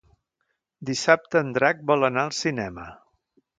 Dissabte en Drac vol anar al cinema.